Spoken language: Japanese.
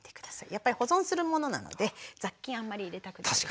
やっぱり保存するものなので雑菌あんまり入れたくないですね。